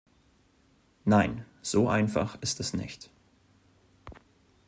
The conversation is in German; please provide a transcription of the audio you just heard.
Nein, so einfach ist es nicht.